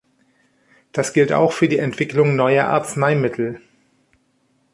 Das gilt auch für die Entwicklung neuer Arzneimittel.